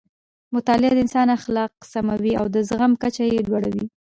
مطالعه د انسان اخلاق سموي او د زغم کچه یې لوړوي.